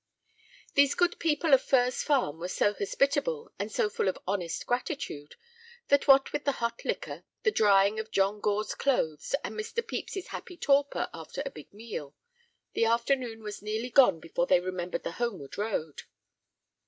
These good people of Furze Farm were so hospitable and so full of honest gratitude that what with the hot liquor, the drying of John Gore's clothes, and Mr. Pepys's happy torpor after a big meal, the afternoon was nearly gone before they remembered the homeward road.